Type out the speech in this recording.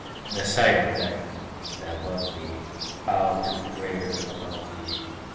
In the sight of them that love thee, Bow to the Greater above thee!